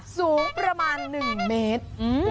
สูงประมาณหนึ่งเมตร